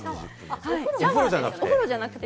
お風呂じゃなくて？